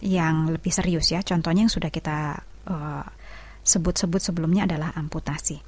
yang lebih serius ya contohnya yang sudah kita sebut sebut sebelumnya adalah amputasi